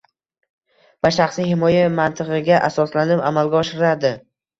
va shaxsiy himoya mantig‘iga asoslanib amalga oshiradi